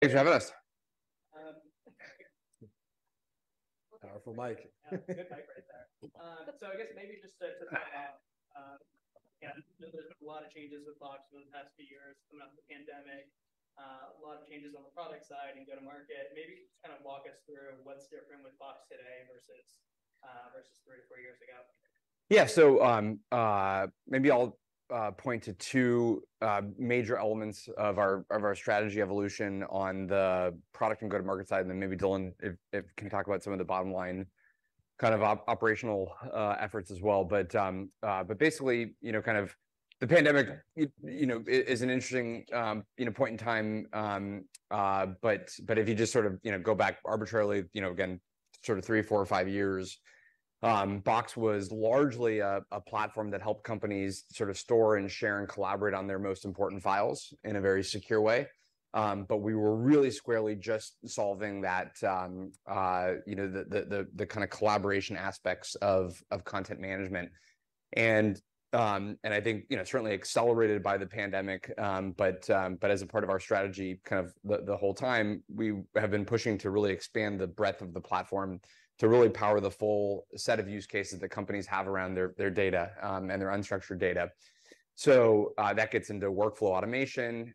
Thanks, Enders. Powerful mic. Yeah, good mic right there. So I guess maybe just to start off, yeah, there's been a lot of changes with Box within the past few years, coming out the pandemic, a lot of changes on the product side and go-to-market. Maybe just kinda walk us through what's different with Box today versus three to four years ago? Yeah. So, maybe I'll point to two major elements of our strategy evolution on the product and go-to-market side, and then maybe Dylan can talk about some of the bottom line, kind of operational efforts as well. But basically, you know, kind of the pandemic, you know, is an interesting point in time. But if you just sort of, you know, go back arbitrarily, you know, again, sort of three, four, or five years, Box was largely a platform that helped companies sort of store and share and collaborate on their most important files in a very secure way. But we were really squarely just solving that, you know, the kind of collaboration aspects of content management. I think, you know, certainly accelerated by the pandemic, but as a part of our strategy, kind of the whole time, we have been pushing to really expand the breadth of the platform to really power the full set of use cases that companies have around their data and their unstructured data. So, that gets into workflow automation,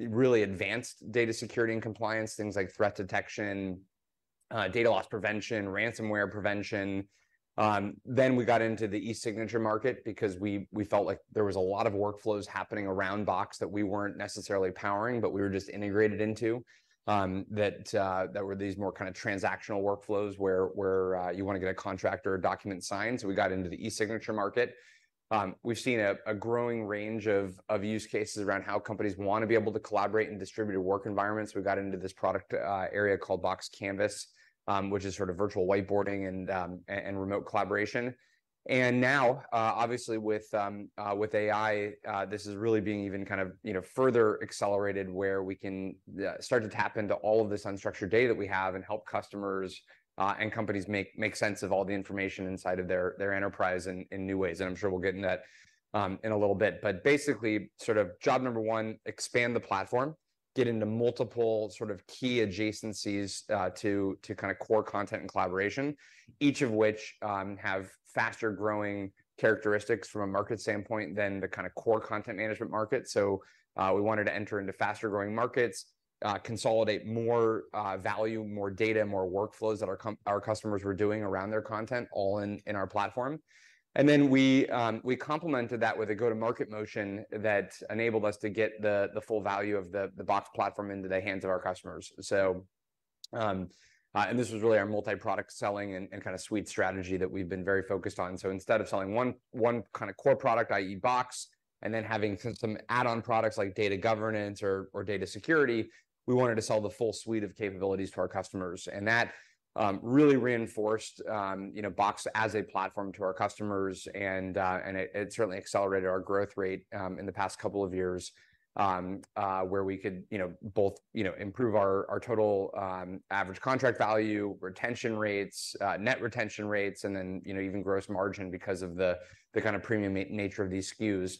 really advanced data security and compliance, things like threat detection, data loss prevention, ransomware prevention. Then we got into the e-signature market because we felt like there was a lot of workflows happening around Box that we weren't necessarily powering, but we were just integrated into, that were these more kind of transactional workflows, where you wanna get a contract or a document signed. So we got into the e-signature market. We've seen a growing range of use cases around how companies wanna be able to collaborate in distributed work environments. We got into this product area called Box Canvas, which is sort of virtual whiteboarding and remote collaboration. And now, obviously, with AI, this is really being even kind of, you know, further accelerated, where we can start to tap into all of this unstructured data that we have, and help customers and companies make sense of all the information inside of their enterprise in new ways, and I'm sure we'll get into that in a little bit. But basically, sort of job number one: expand the platform, get into multiple sort of key adjacencies to kinda core content and collaboration. Each of which have faster-growing characteristics from a market standpoint than the kinda core content management market. So, we wanted to enter into faster-growing markets, consolidate more value, more data, more workflows that our customers were doing around their content, all in our platform. And then we complemented that with a go-to-market motion that enabled us to get the full value of the Box platform into the hands of our customers. So, and this was really our multi-product selling and kinda suite strategy that we've been very focused on. So instead of selling one kinda core product, i.e. Box, and then having some add-on products like data governance or data security, we wanted to sell the full suite of capabilities to our customers. That really reinforced, you know, Box as a platform to our customers, and it certainly accelerated our growth rate in the past couple of years, where we could, you know, both, you know, improve our total average contract value, retention rates, net retention rates, and then, you know, even gross margin because of the kind of premium nature of these SKUs.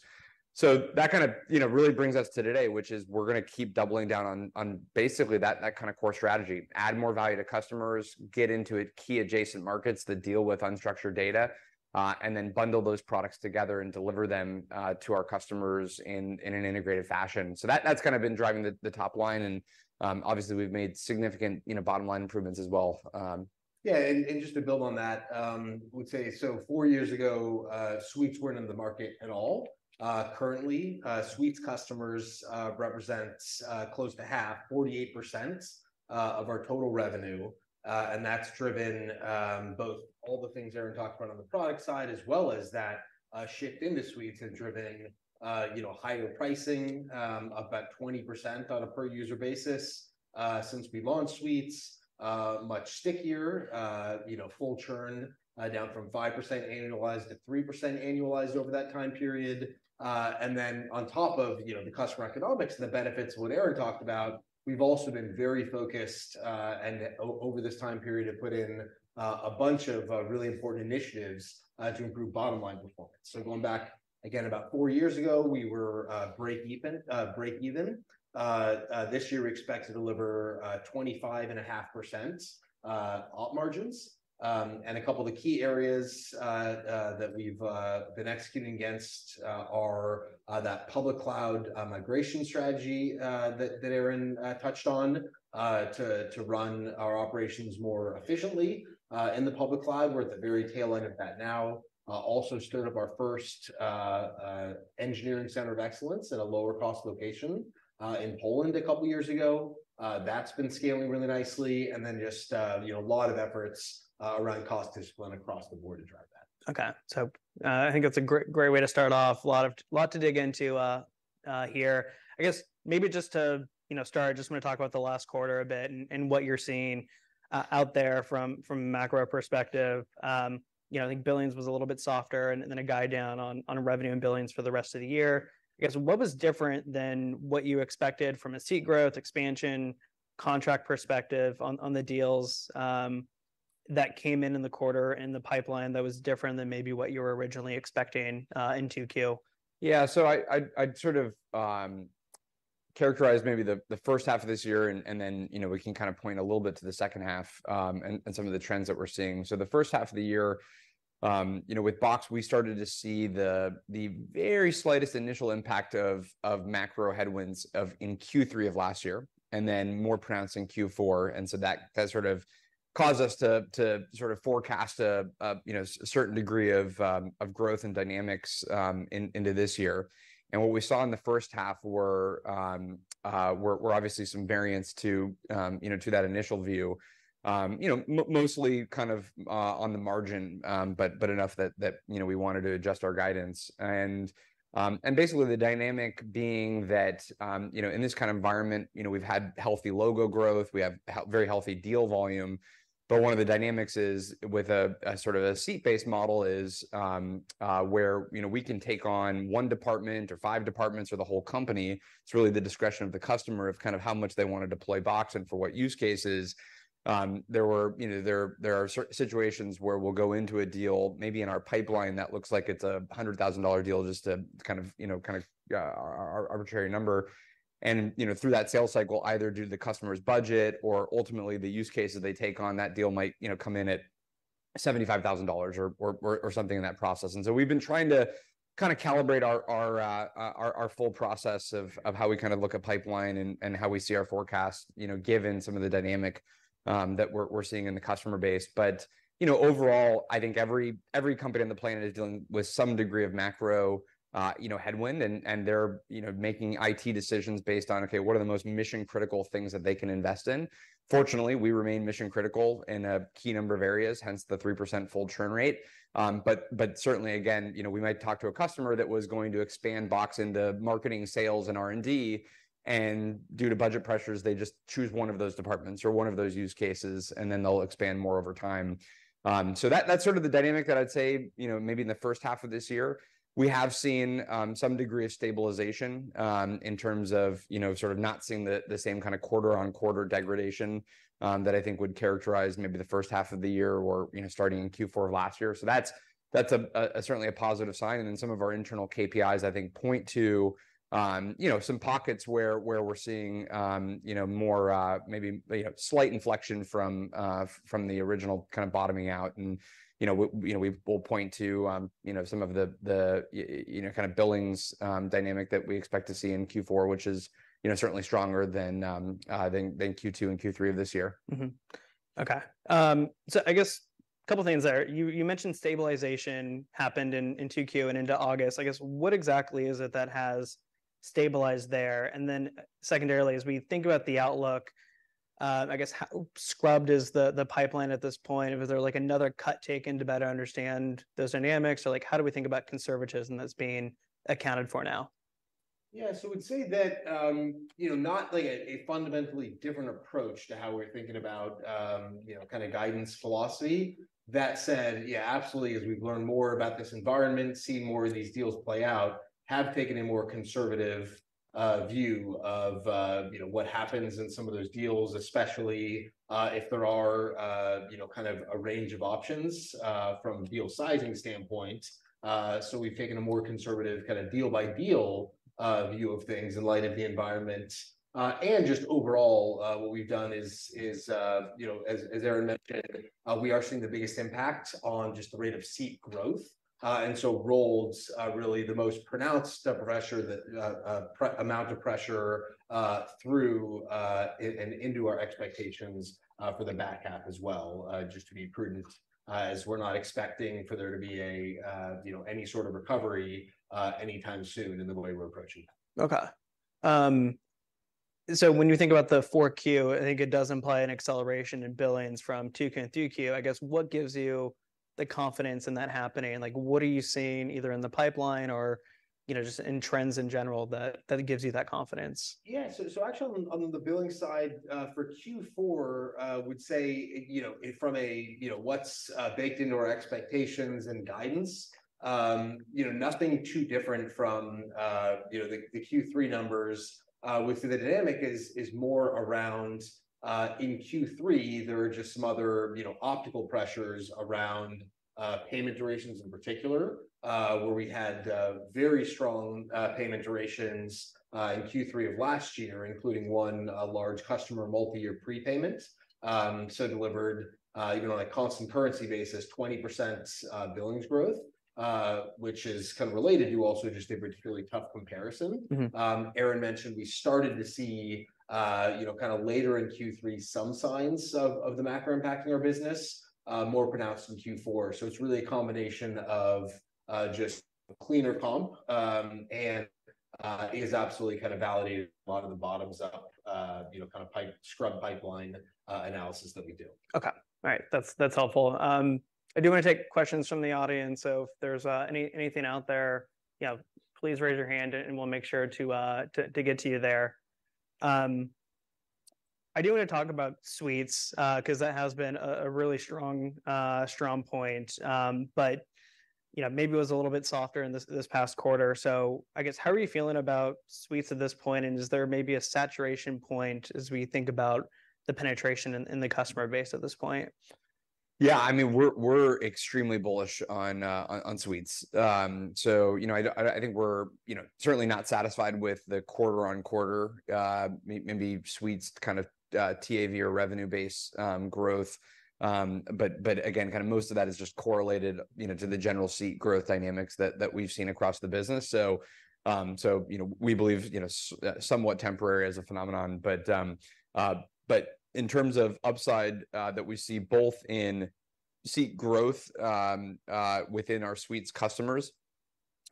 That kind of, you know, really brings us to today, which is we're gonna keep doubling down on basically that kind of core strategy: add more value to customers, get into a key adjacent markets that deal with unstructured data, and then bundle those products together and deliver them to our customers in an integrated fashion. So that's kind of been driving the top line, and obviously, we've made significant, you know, bottom-line improvements as well. Yeah, and just to build on that, would say, so four years ago, Suites weren't in the market at all. Currently, Suites customers represents close to half, 48%, of our total revenue. And that's driven both all the things Aaron talked about on the product side, as well as that shift into Suites has driven, you know, higher pricing, about 20% on a per-user basis. Since we launched Suites, much stickier, you know, full churn, down from 5% annualized to 3% annualized over that time period. And then on top of, you know, the customer economics and the benefits what Aaron talked about, we've also been very focused and over this time period to put in a bunch of really important initiatives to improve bottom-line performance. So going back, again, about four years ago, we were break break even. This year, we expect to deliver 25.5% op margins. And a couple of the key areas that we've been executing against are that public cloud migration strategy that Aaron touched on to run our operations more efficiently in the public cloud. We're at the very tail end of that now. Also stood up our first engineering center of excellence at a lower-cost location in Poland a couple of years ago. That's been scaling really nicely, and then just you know, a lot of efforts around cost discipline across the board to drive that. Okay, so, I think that's a great way to start off. A lot to dig into, here. I guess maybe just to, you know, start, just wanna talk about the last quarter a bit and what you're seeing out there from a macro perspective. You know, I think billings was a little bit softer, and then a guide down on revenue and billings for the rest of the year. I guess, what was different than what you expected from a seat growth, expansion, contract perspective on the deals that came in in the quarter, in the pipeline, that was different than maybe what you were originally expecting in 2Q? Yeah, so I'd sort of characterize maybe the first half of this year, and then, you know, we can kind of point a little bit to the second half, and some of the trends that we're seeing. So the first half of the year, you know, with Box, we started to see the very slightest initial impact of macro headwinds in Q3 of last year, and then more pronounced in Q4. And so that has sort of caused us to sort of forecast, you know, a certain degree of growth and dynamics into this year. And what we saw in the first half were obviously some variants, you know, to that initial view. You know, mostly kind of on the margin, but enough that, you know, we wanted to adjust our guidance. And basically, the dynamic being that, you know, in this kind of environment, you know, we've had healthy logo growth, we have very healthy deal volume, but one of the dynamics is with a sort of a seat-based model, where, you know, we can take on one department or five departments or the whole company. It's really the discretion of the customer of kind of how much they want to deploy Box and for what use cases. You know, there are certain situations where we'll go into a deal maybe in our pipeline that looks like it's a $100,000 deal, just to kind of, you know, kind of, arbitrary number. And, you know, through that sales cycle, either due to the customer's budget or ultimately the use cases they take on, that deal might, you know, come in at $75,000 or something in that process. And so we've been trying to kinda calibrate our full process of how we kind of look at pipeline and how we see our forecast, you know, given some of the dynamics that we're seeing in the customer base. But, you know, overall, I think every company on the planet is dealing with some degree of macro, you know, headwind, and, and they're, you know, making IT decisions based on, okay, what are the most mission-critical things that they can invest in? Fortunately, we remain mission-critical in a key number of areas, hence the 3% full churn rate. But, but certainly, again, you know, we might talk to a customer that was going to expand Box into marketing, sales, and R&D, and due to budget pressures, they just choose one of those departments or one of those use cases, and then they'll expand more over time. So that's sort of the dynamic that I'd say, you know, maybe in the first half of this year, we have seen some degree of stabilization in terms of, you know, sort of not seeing the same kind of quarter-on-quarter degradation that I think would characterize maybe the first half of the year or, you know, starting in Q4 of last year. So that's certainly a positive sign, and then some of our internal KPIs, I think, point to, you know, some pockets where we're seeing, you know, more maybe slight inflection from the original kind of bottoming out. You know, we'll point to, you know, some of the, you know, kind of billings dynamic that we expect to see in Q4, which is, you know, certainly stronger than Q2 and Q3 of this year. Okay. So I guess a couple things there. You mentioned stabilization happened in 2Q and into August. I guess, what exactly is it that has stabilized there? And then secondarily, as we think about the outlook, I guess scrubbed is the pipeline at this point. Was there, like, another cut taken to better understand those dynamics? Or like, how do we think about conservatism that's being accounted for now? Yeah, so we'd say that, you know, not like a fundamentally different approach to how we're thinking about, you know, kind of guidance philosophy. That said, yeah, absolutely, as we've learned more about this environment, seen more of these deals play out, have taken a more conservative view of, you know, what happens in some of those deals, especially if there are, you know, kind of a range of options from a deal sizing standpoint. So we've taken a more conservative kind of deal-by-deal view of things in light of the environment. And just overall, you know, as Aaron mentioned, we are seeing the biggest impact on just the rate of seat growth. Roles are really the most pronounced pressure that amount of pressure through and into our expectations for the back half as well, just to be prudent, as we're not expecting for there to be a, you know, any sort of recovery anytime soon in the way we're approaching it. Okay. So when you think about the 4Q, I think it does imply an acceleration in billings from 2Q and 3Q. I guess, what gives you the confidence in that happening? And like, what are you seeing either in the pipeline or, you know, just in trends in general that gives you that confidence? Yeah, so actually on the billing side for Q4, would say, you know, from a, you know, what's baked into our expectations and guidance, you know, nothing too different from, you know, the Q3 numbers. Which the dynamic is more around, in Q3, there were just some other, you know, optical pressures around payment durations in particular, where we had very strong payment durations in Q3 of last year, including one large customer multi-year prepayment. So delivered even on a constant currency basis, 20% billings growth, which is kind of related to also just a particularly tough comparison. Aaron mentioned we started to see, you know, kind of later in Q3, some signs of the macro impacting our business, more pronounced in Q4. So it's really a combination of just a cleaner comp, and is absolutely kind of validated a lot of the bottoms up, you know, kind of pipe- scrubbed pipeline, analysis that we do. Okay, all right. That's helpful. I do want to take questions from the audience, so if there's anything out there, yeah, please raise your hand, and we'll make sure to get to you there. I do want to talk about Suites, 'cause that has been a really strong point. But you know, maybe it was a little bit softer in this past quarter. So I guess, how are you feeling about Suites at this point, and is there maybe a saturation point as we think about the penetration in the customer base at this point? Yeah, I mean, we're extremely bullish on Suites. So, you know, I think we're, you know, certainly not satisfied with the quarter-on-quarter maybe Suites kind of TAV or revenue base growth. But again, kind of most of that is just correlated, you know, to the general seat growth dynamics that we've seen across the business. So, you know, we believe, you know, somewhat temporary as a phenomenon. But in terms of upside that we see both in seat growth within our Suites customers,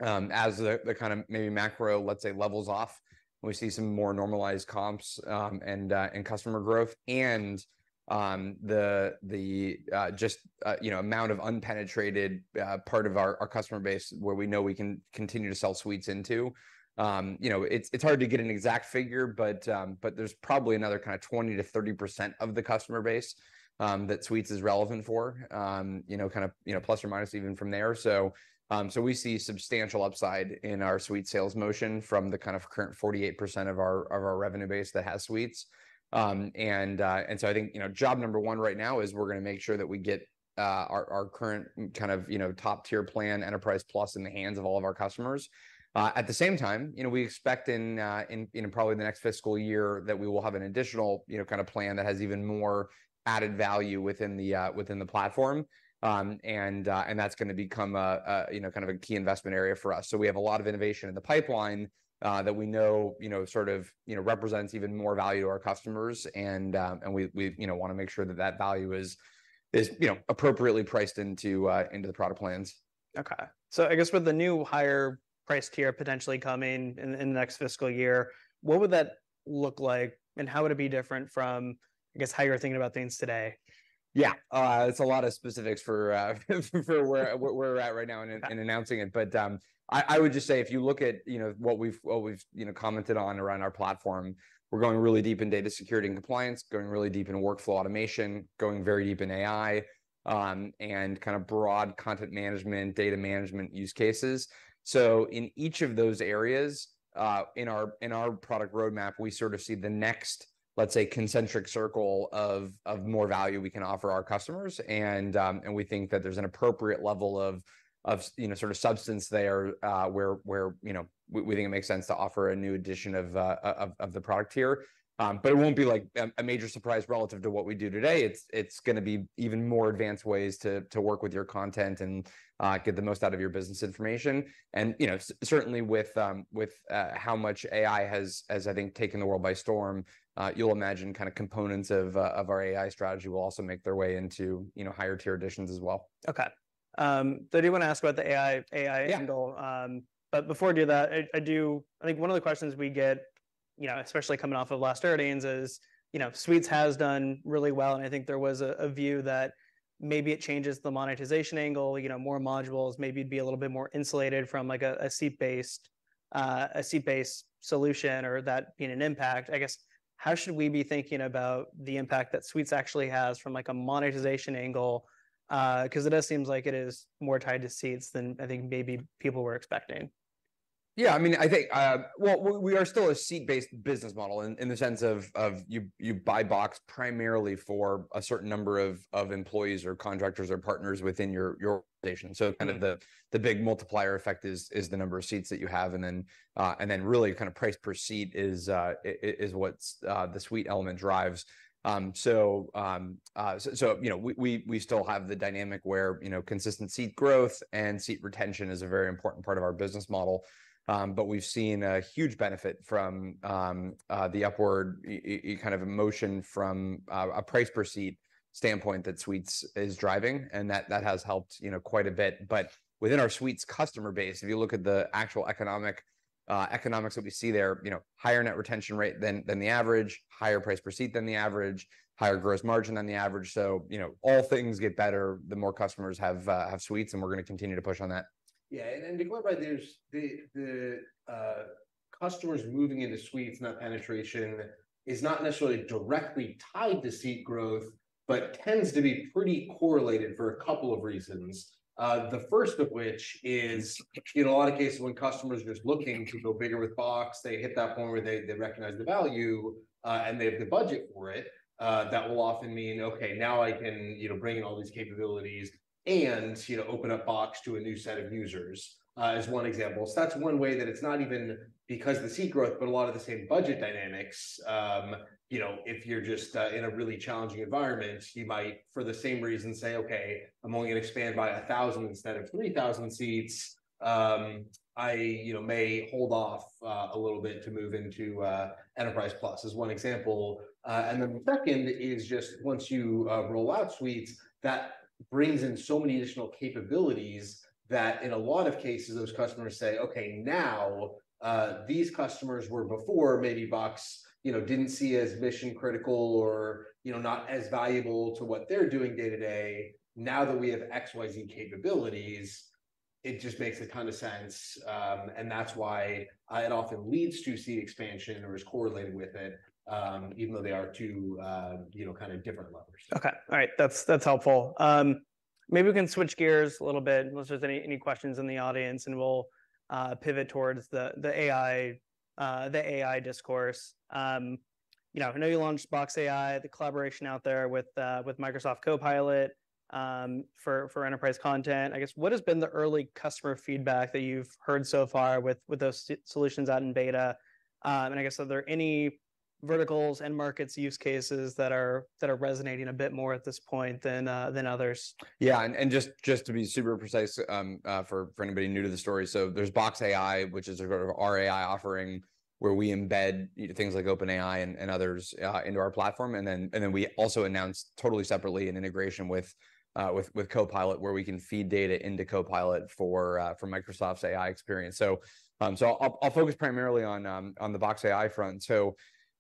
as the kind of maybe macro, let's say, levels off, and we see some more normalized comps and customer growth, and the just you know amount of unpenetrated part of our customer base where we know we can continue to sell Suites into. You know, it's hard to get an exact figure, but there's probably another kind of 20%-30% of the customer base that Suites is relevant for. You know kind of you know plus or minus even from there. So we see substantial upside in our Suite sales motion from the kind of current 48% of our revenue base that has Suites. I think, you know, job number one right now is we're gonna make sure that we get our current kind of, you know, top-tier plan, Enterprise Plus, in the hands of all of our customers. At the same time, you know, we expect in you know, probably the next fiscal year, that we will have an additional, you know, kind of plan that has even more added value within the platform. That's gonna become a you know, kind of a key investment area for us. So we have a lot of innovation in the pipeline that we know, you know, sort of, you know, represents even more value to our customers, and we, you know, wanna make sure that that value is, you know, appropriately priced into the product plans. Okay. So I guess with the new higher price tier potentially coming in the next fiscal year, what would that look like, and how would it be different from, I guess, how you're thinking about things today? Yeah. It's a lot of specifics for where we're at right now in announcing it. But I would just say, if you look at, you know, what we've, you know, commented on around our platform, we're going really deep in data security and compliance, going really deep in workflow automation, going very deep in AI, and kind of broad content management, data management use cases. So in each of those areas, in our product roadmap, we sort of see the next, let's say, concentric circle of more value we can offer our customers. And we think that there's an appropriate level of, you know, sort of substance there, where we think it makes sense to offer a new edition of the product tier. But it won't be, like, a major surprise relative to what we do today. It's gonna be even more advanced ways to work with your content and get the most out of your business information. And, you know, certainly with how much AI has, I think, taken the world by storm, you'll imagine kinda components of our AI strategy will also make their way into, you know, higher tier editions as well. Okay. So I do wanna ask about the AI angle. Yeah. But before I do that, I think one of the questions we get, you know, especially coming off of last earnings, is, you know, Suites has done really well, and I think there was a view that maybe it changes the monetization angle, you know, more modules, maybe it'd be a little bit more insulated from, like, a seat-based solution or that being an impact. I guess, how should we be thinking about the impact that Suites actually has from, like, a monetization angle? Because it does seems like it is more tied to seats than I think maybe people were expecting. Yeah, I mean, I think, well, we are still a seat-based business model in the sense of you buy Box primarily for a certain number of employees or contractors or partners within your organization. So kind of the big multiplier effect is the number of seats that you have, and then really kinda price per seat is what's the Suite element drives. You know, we still have the dynamic where, you know, consistent seat growth and seat retention is a very important part of our business model. But we've seen a huge benefit from the upward kind of a motion from a price per seat standpoint that Suites is driving, and that has helped, you know, quite a bit. But within our Suites customer base, if you look at the actual economics that we see there, you know, higher net retention rate than the average, higher price per seat than the average, higher gross margin than the average. So, you know, all things get better the more customers have Suites, and we're gonna continue to push on that. Yeah, and then to clarify, there's the customers moving into Suites, net penetration is not necessarily directly tied to seat growth, but tends to be pretty correlated for a couple of reasons. The first of which is, in a lot of cases, when customers are just looking to go bigger with Box, they hit that point where they recognize the value, and they have the budget for it. That will often mean, "Okay, now I can, you know, bring in all these capabilities and, you know, open up Box to a new set of users," as one example. So that's one way that it's not even because the seat growth, but a lot of the same budget dynamics. You know, if you're just in a really challenging environment, you might, for the same reason, say, "Okay, I'm only gonna expand by 1,000 instead of 3,000 seats. I, you know, may hold off a little bit to move into Enterprise Plus," as one example. And the second is just once you roll out Suites, that brings in so many additional capabilities that in a lot of cases, those customers say, "Okay, now these customers where before maybe Box, you know, didn't see as mission-critical or, you know, not as valuable to what they're doing day to day, now that we have XYZ capabilities, it just makes a ton of sense." And that's why it often leads to seat expansion or is correlated with it, even though they are two, you know, kind of different levers. Okay, all right. That's helpful. Maybe we can switch gears a little bit, unless there's any questions in the audience, and we'll pivot towards the AI discourse. You know, I know you launched Box AI, the collaboration out there with Microsoft Copilot for enterprise content. I guess, what has been the early customer feedback that you've heard so far with those solutions out in beta? And I guess, are there any verticals, end markets, use cases that are resonating a bit more at this point than others? Yeah, and just to be super precise, for anybody new to the story, so there's Box AI, which is our sort of our AI offering, where we embed things like OpenAI and others into our platform. And then we also announced, totally separately, an integration with Copilot, where we can feed data into Copilot for Microsoft's AI experience. So I'll focus primarily on the Box AI front.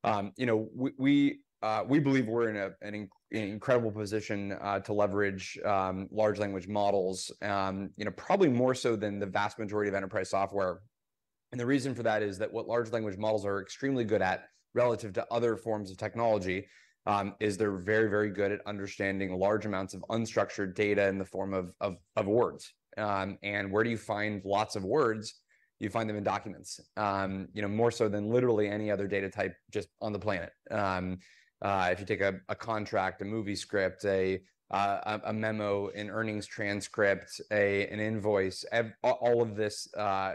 So you know, we believe we're in an incredible position to leverage large language models, you know, probably more so than the vast majority of enterprise software. The reason for that is that what large language models are extremely good at, relative to other forms of technology, is they're very, very good at understanding large amounts of unstructured data in the form of words. And where do you find lots of words? You find them in documents, you know, more so than literally any other data type just on the planet. If you take a contract, a movie script, a memo, an earnings transcript, an invoice, all of this,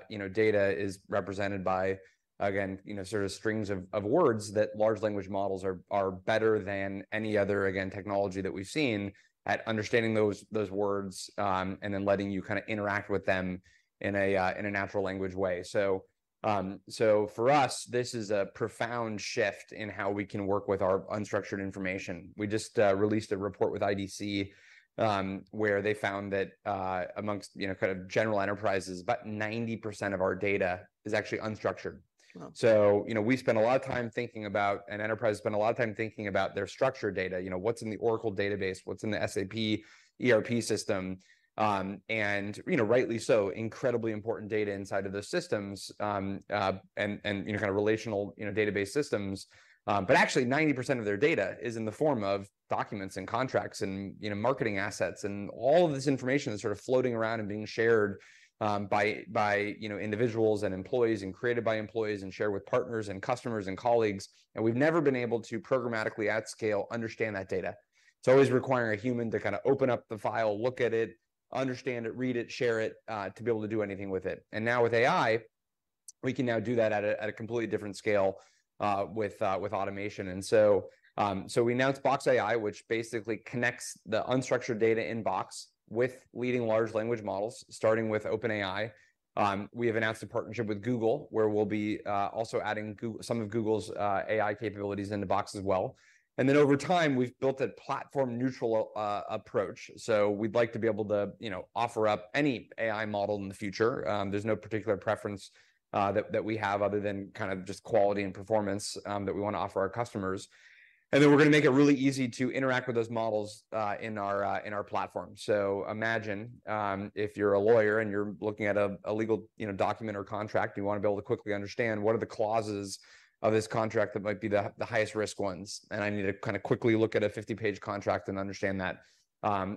you know, data is represented by, again, you know, sort of strings of words that large language models are better than any other, again, technology that we've seen at understanding those words, and then letting you kind of interact with them in a natural language way. So, for us, this is a profound shift in how we can work with our unstructured information. We just released a report with IDC, where they found that, among, you know, kind of general enterprises, about 90% of our data is actually unstructured. Wow! So, you know, we spend a lot of time thinking about, Enterprise spend a lot of time thinking about their structured data. You know, what's in the Oracle database? What's in the SAP ERP system? And, you know, rightly so, incredibly important data inside of the systems, and, and, you know, kind of relational, you know, database systems. But actually, 90% of their data is in the form of documents, and contracts, and, you know, marketing assets. And all of this information is sort of floating around and being shared by, you know, individuals and employees, and created by employees, and shared with partners, and customers, and colleagues, and we've never been able to programmatically, at scale, understand that data. It's always requiring a human to kind of open up the file, look at it, understand it, read it, share it, to be able to do anything with it. And now, with AI, we can now do that at a completely different scale, with automation. And so, we announced Box AI, which basically connects the unstructured data in Box with leading large language models, starting with OpenAI. We have announced a partnership with Google, where we'll be also adding some of Google's AI capabilities into Box as well. And then over time, we've built a platform-neutral approach. So we'd like to be able to, you know, offer up any AI model in the future. There's no particular preference, that we have other than kind of just quality and performance, that we want to offer our customers. And then, we're going to make it really easy to interact with those models, in our platform. So imagine, if you're a lawyer and you're looking at a legal, you know, document or contract, and you want to be able to quickly understand what are the clauses of this contract that might be the highest risk ones, and I need to kind of quickly look at a 50-page contract and understand that.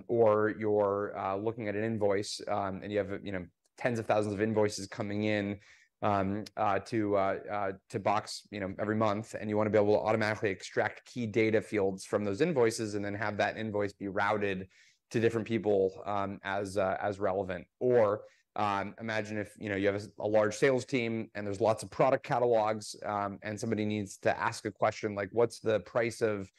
Or you're looking at an invoice, and you have, you know, tens of thousands of invoices coming in to Box, you know, every month, and you want to be able to automatically extract key data fields from those invoices and then have that invoice be routed to different people as relevant. Or, imagine if, you know, you have a large sales team, and there's lots of product catalogs, and somebody needs to ask a question like: "What's the price of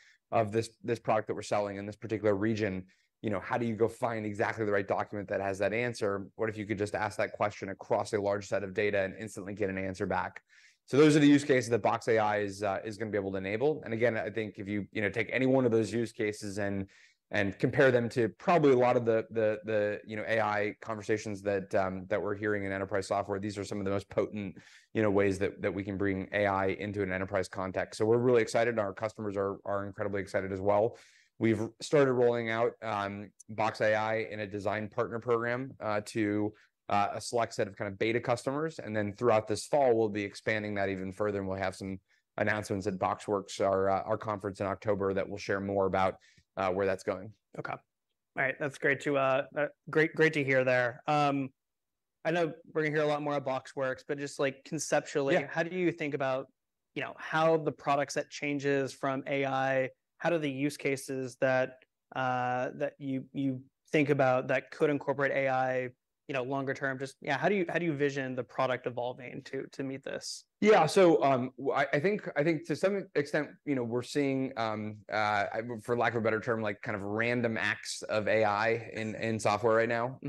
this product that we're selling in this particular region?" You know, how do you go find exactly the right document that has that answer? What if you could just ask that question across a large set of data and instantly get an answer back? So those are the use cases that Box AI is going to be able to enable. And again, I think if you, you know, take any one of those use cases and compare them to probably a lot of the you know, AI conversations that we're hearing in enterprise software, these are some of the most potent, you know, ways that we can bring AI into an enterprise context. So we're really excited, and our customers are incredibly excited as well. We've started rolling out Box AI in a design partner program to a select set of kind of beta customers. And then, throughout this fall, we'll be expanding that even further, and we'll have some announcements at BoxWorks, our conference in October, that we'll share more about where that's going. Okay. All right, that's great to hear there. I know we're going to hear a lot more at BoxWorks, but just like conceptually how do you think about, you know, how the product set changes from AI? How do the use cases that that you, you think about that could incorporate AI, you know, longer term, just, yeah, how do you envision the product evolving to, to meet this? Yeah. So, I think to some extent, you know, we're seeing for lack of a better term, like, kind of random acts of AI in software right now.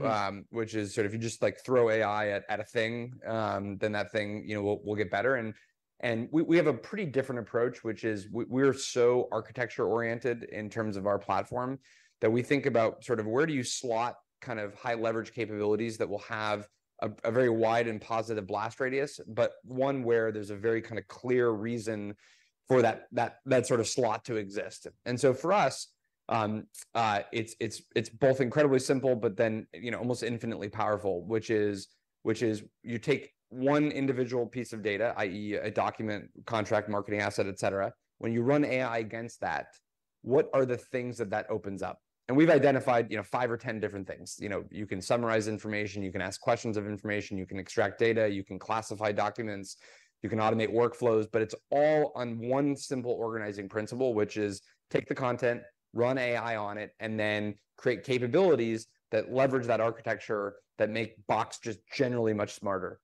Which is sort of if you just, like, throw AI at a thing, then that thing, you know, will get better. And we have a pretty different approach, which is we're so architecture-oriented in terms of our platform, that we think about sort of where do you slot kind of high-leverage capabilities that will have a very wide and positive blast radius, but one where there's a very kind of clear reason for that sort of slot to exist? And so for us, it's both incredibly simple but then, you know, almost infinitely powerful, which is you take one individual piece of data, i.e., a document, contract, marketing asset, et cetera. When you run AI against that, what are the things that that opens up? We've identified, you know, five or 10 different things. You know, you can summarize information, you can ask questions of information, you can extract data, you can classify documents, you can automate workflows, but it's all on one simple organizing principle, which is take the content, run AI on it, and then create capabilities that leverage that architecture that make Box just generally much smarter.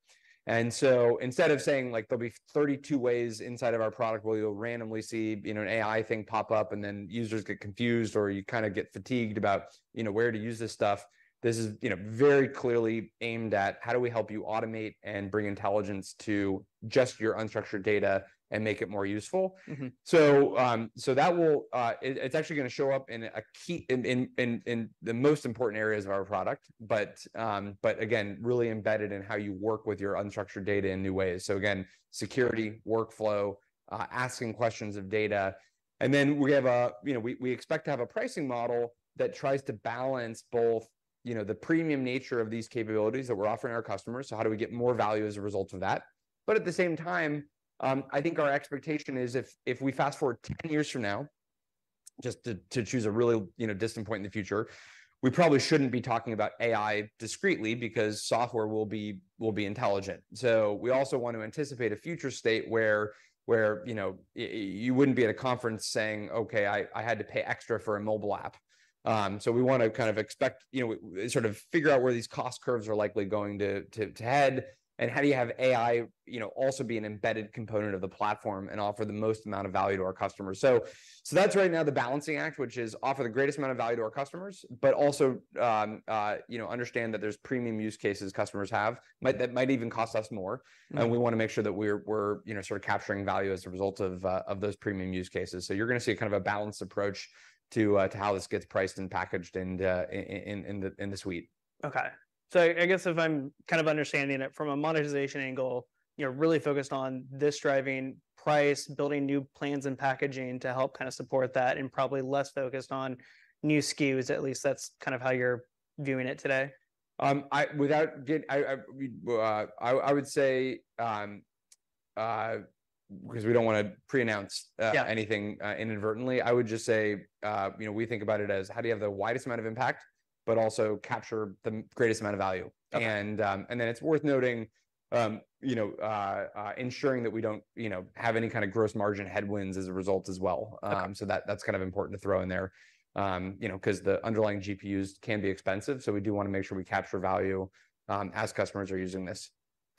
And so instead of saying, like, there'll be 32 ways inside of our product where you'll randomly see, you know, an AI thing pop up, and then users get confused, or you kind of get fatigued about, you know, where to use this stuff, this is, you know, very clearly aimed at how do we help you automate and bring intelligence to just your unstructured data and make it more useful? So, it's actually gonna show up in key areas of our product. But again, really embedded in how you work with your unstructured data in new ways. So again, security, workflow, asking questions of data, and then, you know, we expect to have a pricing model that tries to balance both, you know, the premium nature of these capabilities that we're offering our customers, so how do we get more value as a result of that? But at the same time, I think our expectation is if we fast-forward 10 years from now, just to choose a really, you know, distant point in the future, we probably shouldn't be talking about AI discretely because software will be intelligent. So we also want to anticipate a future state where, you know, you wouldn't be at a conference saying, "Okay, I had to pay extra for a mobile app." So we want to kind of expect, you know, sort of figure out where these cost curves are likely going to head, and how do you have AI, you know, also be an embedded component of the platform and offer the most amount of value to our customers? So that's right now the balancing act, which is offer the greatest amount of value to our customers, but also, you know, understand that there's premium use cases customers have, that might even cost us more. We want to make sure that we're, you know, sort of capturing value as a result of those premium use cases. So you're gonna see kind of a balanced approach to how this gets priced and packaged and in the suite. Okay. So I guess if I'm kind of understanding it from a monetization angle, you're really focused on this driving price, building new plans and packaging to help kind of support that, and probably less focused on new SKUs. At least that's kind of how you're viewing it today. I would say, because we don't want to preannounce anything, inadvertently, I would just say, you know, we think about it as how do you have the widest amount of impact, but also capture the greatest amount of value? Okay. Then it's worth noting, you know, ensuring that we don't, you know, have any kind of gross margin headwinds as a result as well. So that's kind of important to throw in there. You know, 'cause the underlying GPUs can be expensive, so we do wanna make sure we capture value as customers are using this.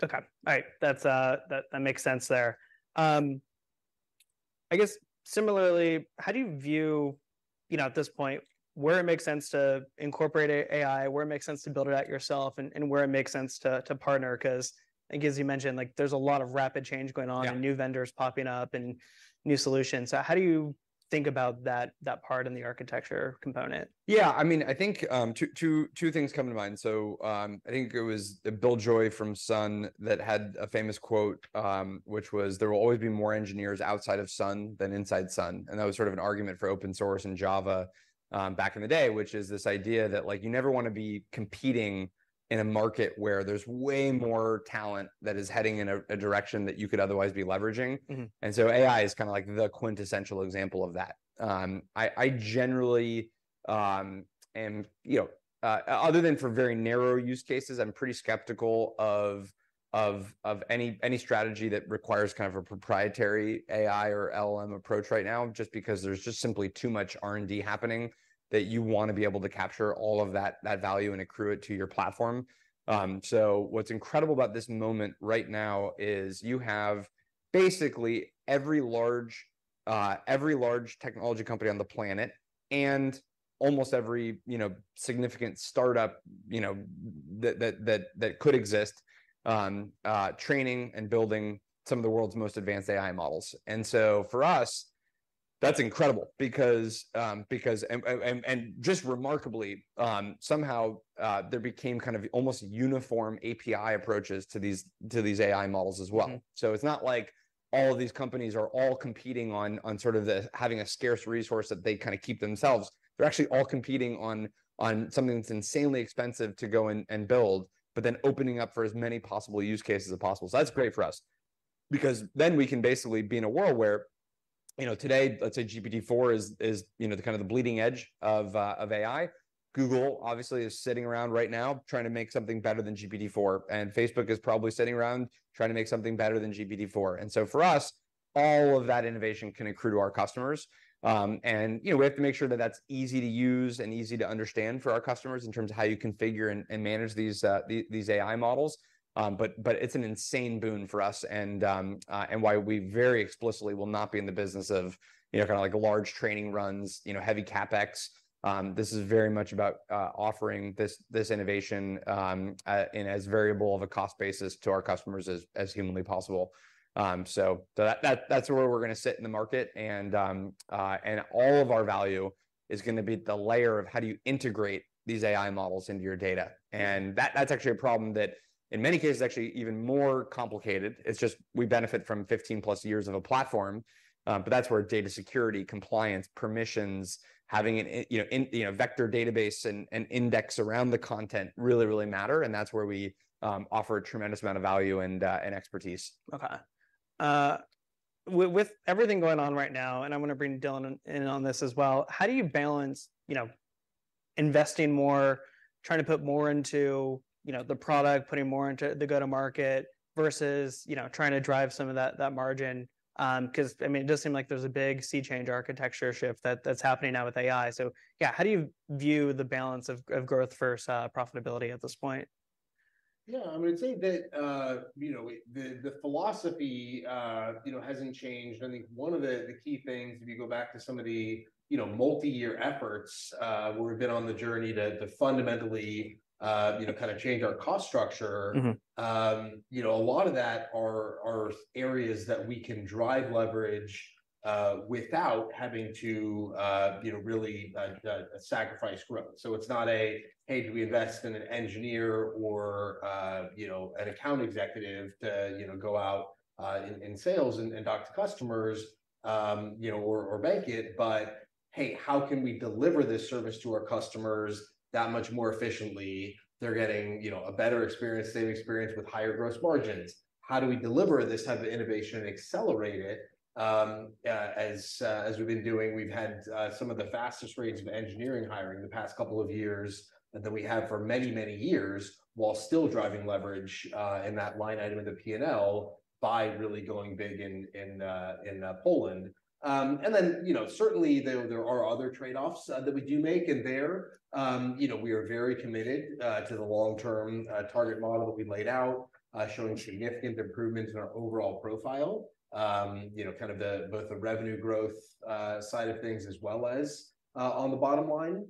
Okay. All right, that makes sense there. I guess similarly, how do you view, you know, at this point, where it makes sense to incorporate AI, where it makes sense to build it out yourself, and where it makes sense to partner? 'Cause I guess you mentioned, like, there's a lot of rapid change going on and new vendors popping up and new solutions. So how do you think about that part in the architecture component? Yeah, I mean, I think two things come to mind. So, I think it was Bill Joy from Sun that had a famous quote, which was, "There will always be more engineers outside of Sun than inside Sun." And that was sort of an argument for open source and Java back in the day, which is this idea that, like, you never wanna be competing in a market where there's way more talent that is heading in a direction that you could otherwise be leveraging. And so AI is kind of like the quintessential example of that. I generally, you know, other than for very narrow use cases, I'm pretty skeptical of any strategy that requires kind of a proprietary AI or LM approach right now, just because there's just simply too much R&D happening, that you wanna be able to capture all of that, that value and accrue it to your platform. So what's incredible about this moment right now is you have basically every large, every large technology company on the planet and almost every, you know, significant startup, you know, that could exist, training and building some of the world's most advanced AI models. And so for us, that's incredible because... Just remarkably, somehow, there became kind of almost uniform API approaches to these AI models as well. So it's not like all of these companies are all competing on sort of the having a scarce resource that they kind of keep themselves. They're actually all competing on, on something that's insanely expensive to go and, and build, but then opening up for as many possible use cases as possible. So that's great for us, because then we can basically be in a world where, you know, today, let's say GPT-4 is, is, you know, the kind of the bleeding edge of of AI. Google obviously is sitting around right now trying to make something better than GPT-4, and Facebook is probably sitting around trying to make something better than GPT-4. And so for us, all of that innovation can accrue to our customers. And, you know, we have to make sure that that's easy to use and easy to understand for our customers in terms of how you configure and manage these AI models. But it's an insane boon for us, and why we very explicitly will not be in the business of, you know, kind of like large training runs, you know, heavy CapEx. This is very much about offering this innovation in as variable of a cost basis to our customers as humanly possible. So that's where we're gonna sit in the market and all of our value is gonna be the layer of how do you integrate these AI models into your data? And that's actually a problem that, in many cases, actually even more complicated. It's just we benefit from 15+ years of a platform. But that's where data security, compliance, permissions, having an, you know, in, you know, vector database and index around the content really, really matter, and that's where we offer a tremendous amount of value and expertise. Okay, with everything going on right now, and I'm gonna bring Dylan in on this as well, how do you balance, you know, investing more, trying to put more into, you know, the product, putting more into the go-to-market versus, you know, trying to drive some of that margin? 'Cause, I mean, it does seem like there's a big sea change architecture shift that's happening now with AI. So yeah, how do you view the balance of growth versus profitability at this point? Yeah, I would say that, you know, the philosophy, you know, hasn't changed. I think one of the key things, if you go back to some of the, you know, multi-year efforts, where we've been on the journey to fundamentally, you know, kind of change our cost structure, you know, a lot of that are areas that we can drive leverage, without having to, you know, really, sacrifice growth. So it's not a, "Hey, do we invest in an engineer or, you know, an account executive to, you know, go out, in sales and talk to customers, you know, or bank it?" But, "Hey, how can we deliver this service to our customers that much more efficiently? They're getting, you know, a better experience, same experience with higher gross margins. How do we deliver this type of innovation and accelerate it, as we've been doing?" We've had some of the fastest rates of engineering hiring the past couple of years than we had for many, many years, while still driving leverage in that line item of the P&L by really going big in Poland. And then, you know, certainly there are other trade-offs that we do make in there. You know, we are very committed to the long-term target model that we laid out, showing significant improvement in our overall profile. You know, kind of both the revenue growth side of things as well as on the bottom line.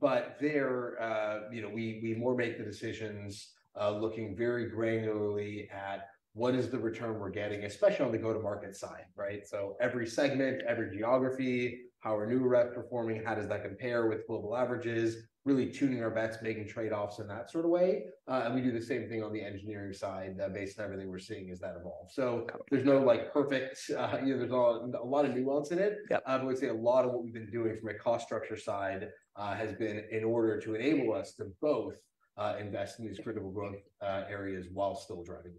But there, you know, we more make the decisions looking very granularly at what is the return we're getting, especially on the go-to-market side, right? So every segment, every geography, how are new rep performing, how does that compare with global averages? Really tuning our bets, making trade-offs in that sort of way. And we do the same thing on the engineering side, based on everything we're seeing as that evolves. So there's no, like, perfect, you know, there's a lot of nuance in it. Yeah. I would say a lot of what we've been doing from a cost structure side has been in order to enable us to both invest in these critical growth areas while still driving.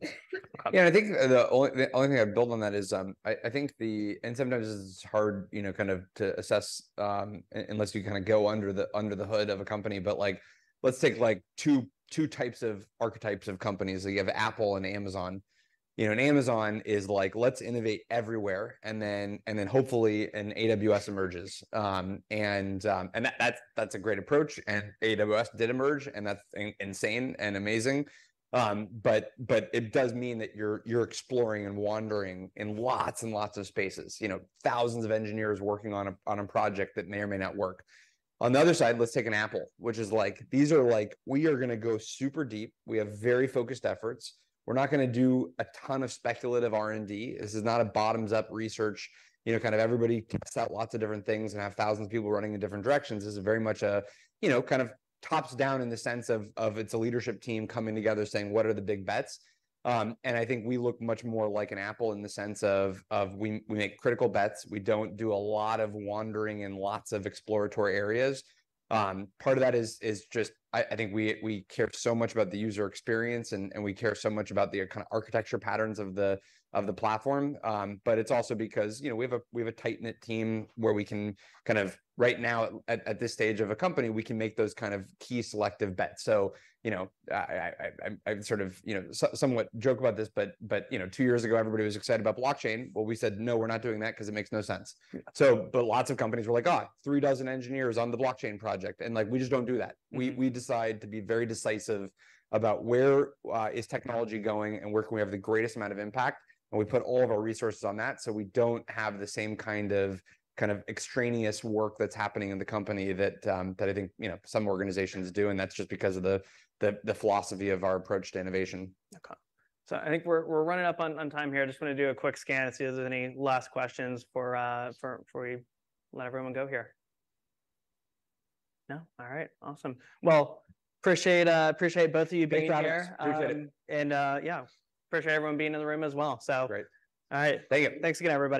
Yeah, I think the only thing I'd build on that is, and sometimes this is hard, you know, kind of to assess, unless you kind of go under the hood of a company, but like, let's take two types of archetypes of companies. So you have Apple and Amazon. You know, and Amazon is like, let's innovate everywhere, and then hopefully, an AWS emerges. And that, that's a great approach, and AWS did emerge, and that's insane and amazing. But it does mean that you're exploring and wandering in lots and lots of spaces. You know, thousands of engineers working on a project that may or may not work. On the other side, let's take an Apple, which is like, these are like, we are gonna go super deep. We have very focused efforts. We're not gonna do a ton of speculative R&D. This is not a bottoms-up research, you know, kind of everybody tests out lots of different things and have thousands of people running in different directions. This is very much a, you know, kind of tops down in the sense of, of it's a leadership team coming together saying, "What are the big bets?" And I think we look much more like an Apple in the sense of we make critical bets. We don't do a lot of wandering in lots of exploratory areas. Part of that is just I think we care so much about the user experience, and we care so much about the architecture patterns of the platform. But it's also because, you know, we have a tight-knit team, where we can kind of right now, at this stage of a company, make those kind of key selective bets. So, you know, I'm sort of, you know, somewhat joking about this, but you know, two years ago, everybody was excited about blockchain. Well, we said, "No, we're not doing that 'cause it makes no sense. But lots of companies were like, "Ah, 36 engineers on the Blockchain project," and, like, we just don't do that. We decide to be very decisive about where is technology going and where can we have the greatest amount of impact, and we put all of our resources on that, so we don't have the same kind of extraneous work that's happening in the company that I think, you know, some organizations do, and that's just because of the philosophy of our approach to innovation. Okay. So I think we're running up on time here. I just want to do a quick scan and see if there's any last questions for before we let everyone go here. No? All right. Awesome. Well, appreciate both of you being here. Appreciate it. Yeah, appreciate everyone being in the room as well. So- Great. All right. Thank you. Thanks again, everybody.